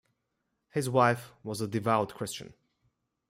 His wife was a devout Christian.